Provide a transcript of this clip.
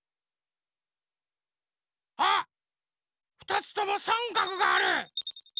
あっ２つともさんかくがある！